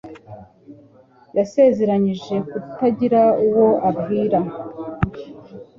Yasezeranije kutagira uwo abibwira.